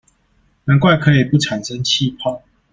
難怪可以不產生氣泡